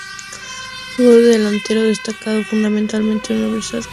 Jugó de delantero, destacando fundamentalmente en Universidad Católica y la selección chilena.